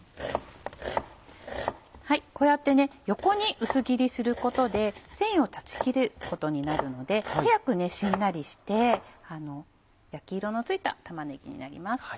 こうやって横に薄切りすることで繊維を断ち切ることになるので早くしんなりして焼き色のついた玉ねぎになります。